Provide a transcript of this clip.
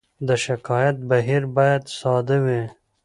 د شکایت بهیر باید ساده وي.